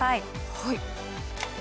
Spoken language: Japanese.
はい。